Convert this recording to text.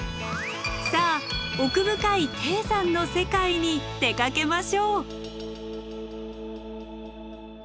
さあ奥深い低山の世界に出かけましょう。